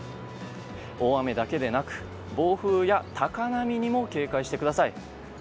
大雨だけでなく暴風や高波にも警戒してください。